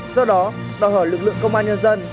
do đó đòi hỏi lực lượng công an nhân dân